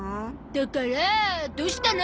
だからどうしたの？